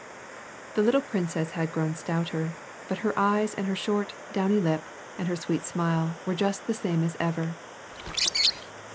The little princess had grown stouter, but her eyes and her short, downy lip, and her sweet smile were just the same as ever.